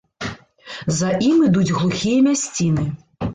За ім ідуць глухія мясціны.